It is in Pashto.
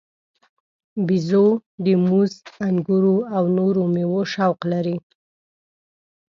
بیزو د موز، انګورو او نورو میوو شوق لري.